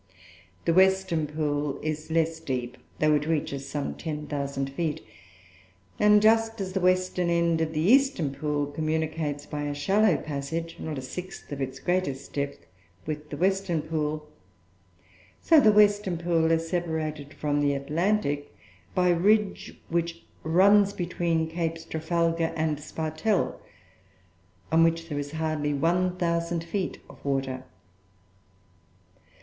The western pool is less deep, though it reaches some 10,000 feet. And, just as the western end of the eastern pool communicates by a shallow passage, not a sixth of its greatest depth, with the western pool, so the western pool is separated from the Atlantic by a ridge which runs between Capes Trafalgar and Spartel, on which there is hardly 1,000 feet of water.